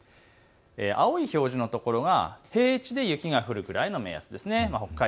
青い表示の所が平地で雪が降るくらいの目安。